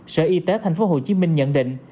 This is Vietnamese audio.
sở y tế tp hcm nhận định